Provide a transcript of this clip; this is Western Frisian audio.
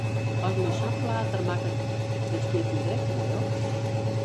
As men sa'n flater makket, dan stiet men der ek moai op!